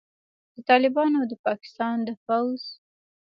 د طالبانو او د پاکستان د پوځ